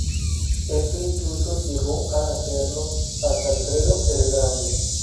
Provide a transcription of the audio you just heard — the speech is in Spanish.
Esto incluso llegó a hacerlo hasta Alfredo el Grande.